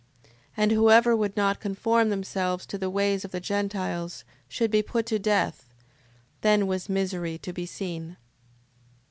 And whosoever would not conform themselves to the ways of the Gentiles, should be put to death: then was misery to be seen.